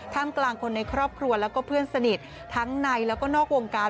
กลางคนในครอบครัวแล้วก็เพื่อนสนิททั้งในแล้วก็นอกวงการ